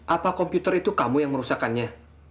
apa komputer itu kamu yang merusakannya